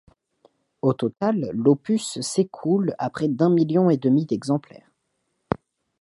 Au total, l'opus s'écoule à près d'un million et demi d'exemplaires.